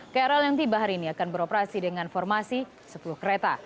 krl yang tiba hari ini akan beroperasi dengan formasi sepuluh kereta